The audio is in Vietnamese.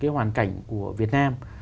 hoàn cảnh của việt nam